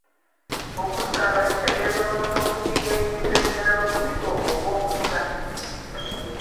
Okusaaba kitegeeza “omuntu okusiiga ekintu ekirala omuzigo oba obusa”.